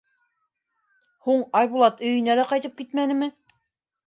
Һуң Айбулат өйөнә лә ҡайтып китмәнеме?